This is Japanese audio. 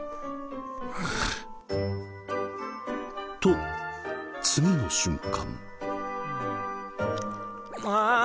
と次の瞬間。